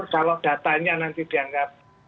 kalau datanya nanti dianggap